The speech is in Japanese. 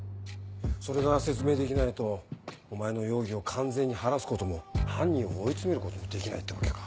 それが説明できないとお前の容疑を完全に晴らすことも犯人を追い詰めることもできないってわけか。